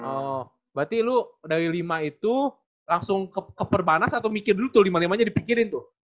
oh berarti lu dari lima itu langsung keperpanas atau mikir dulu tuh lima limanya dipikirin tuh